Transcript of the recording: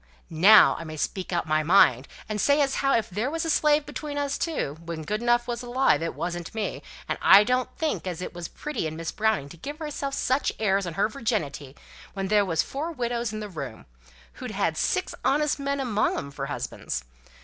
now I may speak out my mind, and say as how if there was a slave between us two, when Goodenough was alive, it wasn't me; and I don't think as it was pretty in Miss Browning to give herself such airs on her virginity when there was four widows in the room, who've had six honest men among 'em for husbands.